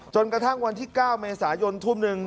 จนกระทั่งวันที่๙เมษายนทุ่มหนึ่ง